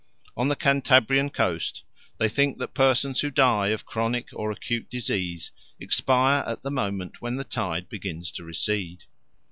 On the Cantabrian coast they think that persons who die of chronic or acute disease expire at the moment when the tide begins to recede.